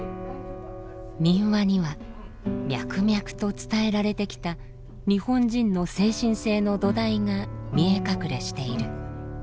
民話には脈々と伝えられてきた日本人の精神性の土台が見え隠れしている。